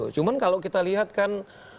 cuma kalau kita lihat kan